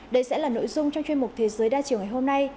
đây sẽ là nội dung trong chuyên mục thế giới đa chiều ngày hôm nay